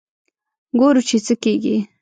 ګورو چې څه کېږي.